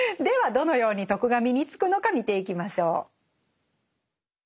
どのように「徳」が身につくのか見ていきましょう。